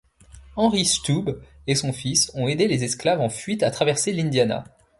Henry Stubbs et son fils ont aidé les esclaves en fuite à traverser l'Indiana.